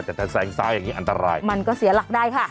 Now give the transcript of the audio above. แต่ถ้าแสงซ้ายอย่างนี้อันตรายมันก็เสียหลักได้ค่ะ